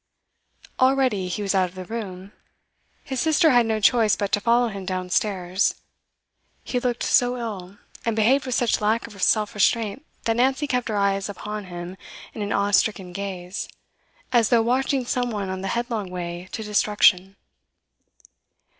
Already he was out of the room; his sister had no choice but to follow him downstairs. He looked so ill, and behaved with such lack of self restraint, that Nancy kept her eyes upon him in an awestricken gaze, as though watching some one on the headlong way to destruction.